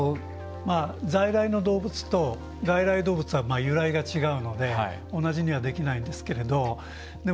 在来の動物と外来の動物は由来が違うので同じにはできないんですけど